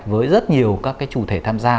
với rất nhiều các chủ thể tham gia